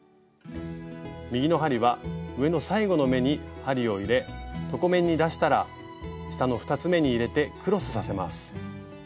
右の針は上の最後の目に針を入れ床面に出したら下の２つめに入れてクロスさせます。